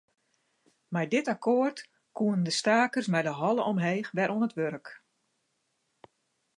Mei dit akkoart koenen de stakers mei de holle omheech wer oan it wurk.